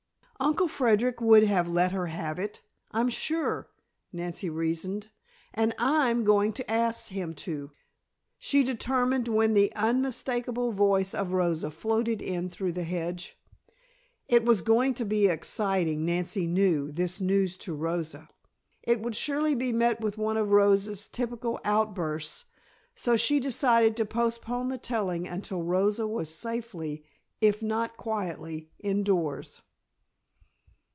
"Uncle Frederic would have let her have it, I'm sure," Nancy reasoned, "and I'm going to ask him to," she determined, when the unmistakable voice of Rosa floated in through the hedge. It was going to be exciting, Nancy knew, this news to Rosa. It would surely be met with one of Rosa's typical outbursts, so she decided to postpone the telling until Rosa was safely, if not quietly, indoors.